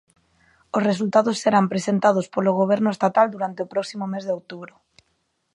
Os resultados serán presentados polo Goberno estatal durante o próximo mes de outubro.